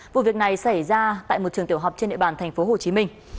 vụ việc này xảy ra tại một trường tiểu học trên địa bàn thành phố hồ chí minh